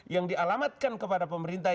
yang dialamatkan kepada pemerintah